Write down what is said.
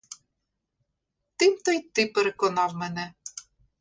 Тим-то й ти переконав мене.